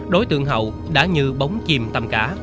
đối tượng hậu đã như bóng chìm tăm cá